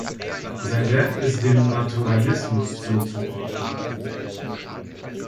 Sein Werk ist dem Naturalismus zuzuordnen.